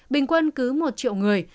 bình quân cứ một triệu người